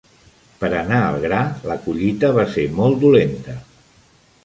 Per anar al gra, la collita va ser molt dolenta.